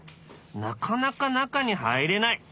なかなか中に入れない。